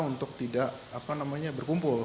untuk tidak berkumpul